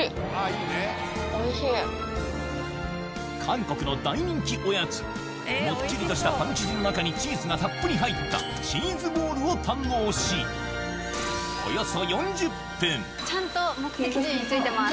韓国の大人気おやつもっちりとしたパン生地の中にチーズがたっぷり入ったチーズボールを堪能しちゃんと目的地に着いてます